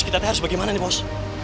terus kita harus bagaimana bos